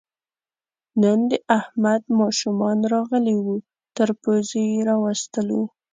نن د احمد ماشومان راغلي وو، تر پوزې یې راوستلو.